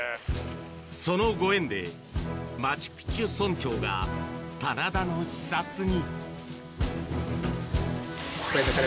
そのご縁で、マチュピチュ村長が棚田の視察に。